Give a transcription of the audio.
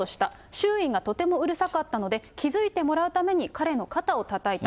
周囲がとてもうるさかったので、気付いてもらうために彼の肩をたたいた。